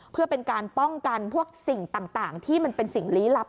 เพื่อเป็นการป้องกันพวกสิ่งต่างที่มันเป็นสิ่งลี้ลับ